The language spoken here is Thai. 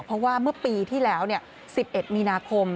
เพราะว่าเมื่อปีที่แล้ว๑๑มีนาคม